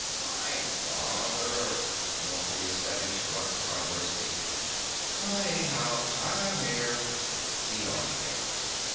"Why bother?" Morpheus said, and shrugged ponderously. "Anyhow, I'm here." He yawned again.